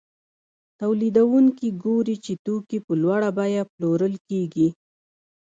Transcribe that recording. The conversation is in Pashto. تولیدونکي ګوري چې توکي په لوړه بیه پلورل کېږي